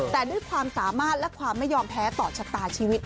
แต่ด้วยความสามารถและความไม่ยอมแพ้ต่อชะตาชีวิต